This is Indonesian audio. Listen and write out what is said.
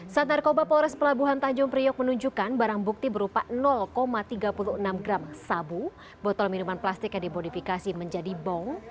saat narkoba polres pelabuhan tanjung priok menunjukkan barang bukti berupa tiga puluh enam gram sabu botol minuman plastik yang dimodifikasi menjadi bong